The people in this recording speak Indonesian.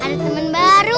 ada temen baru